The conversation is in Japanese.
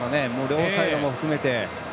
両サイドも含めて。